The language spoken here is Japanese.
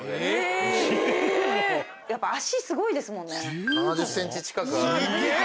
えっ！